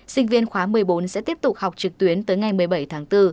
sinh viên khóa một mươi bốn sẽ tiếp tục học trực tuyến tới ngày một mươi bảy tháng bốn